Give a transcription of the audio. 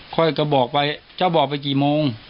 ค่อยกระบอกไปเจ้าบอกไปกี่โมง